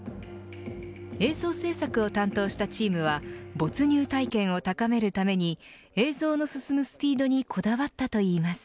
映像制作を担当したチームは没入体験を高めるために映像の進むスピードにこだわったといいます。